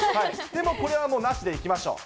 でもこれはなしでいきましょう。